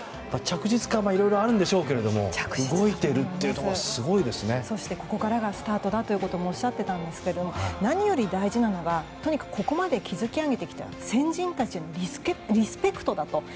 いろいろあるんでしょうけど動いているというところがそしてここからがスタートだということもおっしゃっていたんですが何より大事なのがここまで築き上げてきた先人たちへのリスペクトだと。